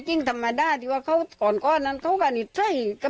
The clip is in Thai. จริงธรรมดาที่เขาก่อนไปนั้นเขาก็นิดเจ้้